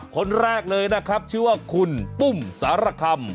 คนแรกเลยนะครับชื่อว่าคุณปุ้มสารคำ